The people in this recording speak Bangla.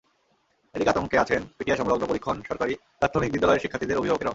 এদিকে আতঙ্কে আছেন পিটিআই সংলগ্ন পরীক্ষণ সরকারি প্রাথমিক বিদ্যালয়ের শিক্ষার্থীদের অভিভাবকেরাও।